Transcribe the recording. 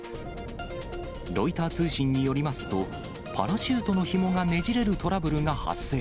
ロイター通信によりますと、パラシュートのひもがねじれるトラブルが発生。